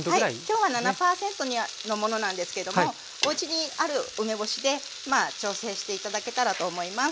今日は７％のものなんですけどもおうちにある梅干しでまあ調整して頂けたらと思います。